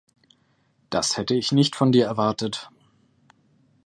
Das hätte ich nicht von dir erwartet.